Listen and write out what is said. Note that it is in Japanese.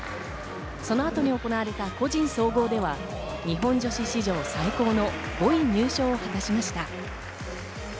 そのあとに行われた個人総合では日本女子史上最高の５位入賞を果たしました。